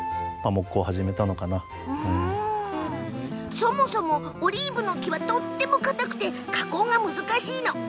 そもそも、オリーブの木はとてもかたくて、加工が難しいの。